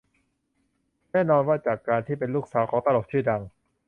แน่นอนว่าจากการที่เป็นลูกสาวของตลกชื่อดัง